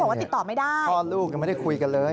บอกว่าติดต่อไม่ได้พ่อลูกยังไม่ได้คุยกันเลย